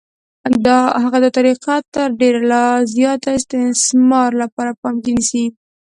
هغه دا طریقه تر ډېره د لا زیات استثمار لپاره په پام کې نیسي